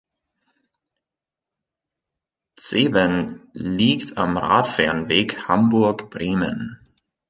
Zeven liegt am Radfernweg Hamburg–Bremen.